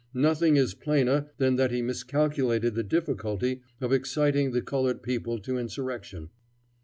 Nothing is plainer than that he miscalculated the difficulty of exciting the colored people to insurrection.